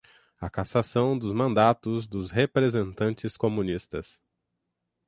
a cassação dos mandatos dos representantes comunistas